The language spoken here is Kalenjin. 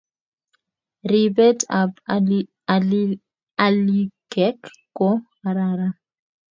Ribet ab alikek ko kararan